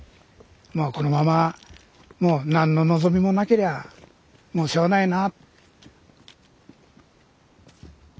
このままもう何の望みもなけりゃもうしょうがないな。